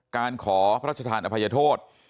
การขอพระราชทานอภัยโทษ